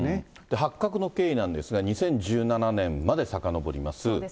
発覚の経緯なんですが、２０１７年までさかのぼります。